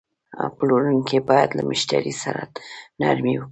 پلورونکی باید له مشتری سره نرمي وکړي.